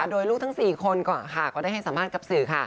มีลูกทั้งสี่คนได้ให้สัมภัยกับสื่อ